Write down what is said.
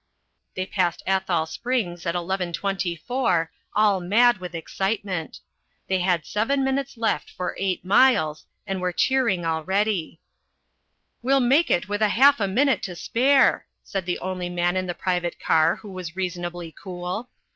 They passed Athol Springs at eleven twenty four, all mad with excitement. They had 7 minutes left for 8 miles, and were cheering already. "We'll make it with half a minute to spare," said the only man in the private car who was reasonably cool.